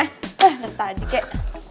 udah tadi kek